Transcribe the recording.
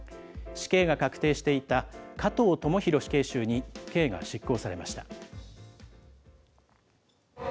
死刑が確定していた加藤智大死刑囚に刑が執行されました。